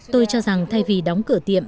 tôi cho rằng thay vì đóng cửa tiệm